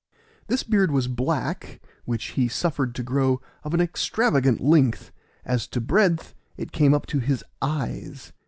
This beard was black, which he suffered to grow of an extravagant length; as to breadth, it came up to his eyes.